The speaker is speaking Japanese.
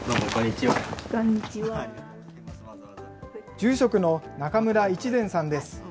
住職の中村一善さんです。